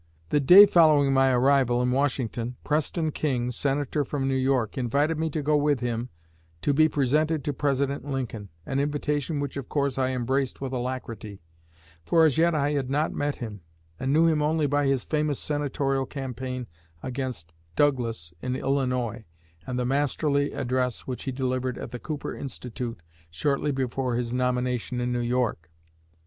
"The day following my arrival in Washington Preston King, Senator from New York, invited me to go with him to be presented to President Lincoln, an invitation which of course I embraced with alacrity; for as yet I had not met him, and knew him only by his famous senatorial campaign against Douglas in Illinois and the masterly address which he delivered at the Cooper Institute shortly before his nomination in New York....